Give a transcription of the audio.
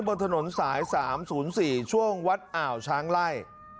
บนถนนสาย๓๐๔ช่วงวัดอ่าวช้างไล่